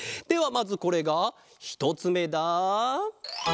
まずこれがひとつめだ。